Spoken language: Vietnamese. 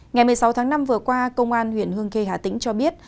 ngày một mươi sáu tháng năm vừa qua công an huyện hương khê hà tĩnh cho biết